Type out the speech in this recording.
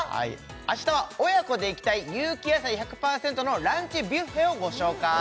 あしたは親子で行きたい有機野菜１００％のランチビュッフェをご紹介